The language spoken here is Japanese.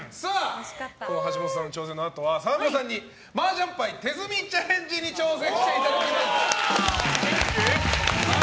橋本さんの挑戦のあとは沢村さんに麻雀牌手積みチャレンジに挑戦していただきます。